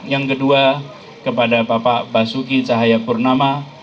yang kedua kepada bapak basuki cahayapurnama